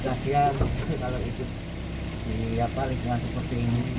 kasian kalau itu diapalih dengan seperti ini gitu lah